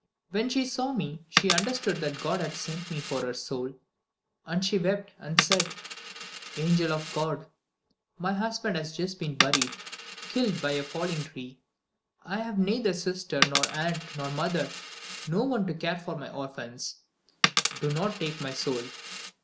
When she saw me, she understood that God had sent me for her soul, and she wept and said: 'Angel of God! My husband has just been buried, killed by a falling tree. I have neither sister, nor aunt, nor mother: no one to care for my orphans. Do not take my soul!